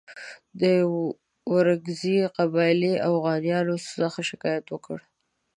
د ورکزي قبیلې اوغانیانو څخه شکایت وکړ.